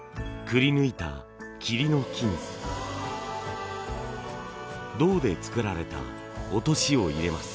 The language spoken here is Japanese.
くり抜いた桐の木に銅で作られた落としを入れます。